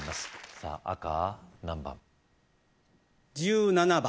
さぁ赤何番？